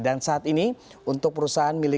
dan saat ini untuk perusahaan ini